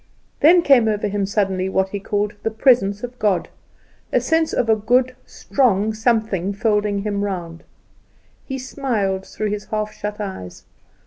Then came over him suddenly what he called "The presence of God"; a sense of a good, strong something folding him round. He smiled through his half shut eyes.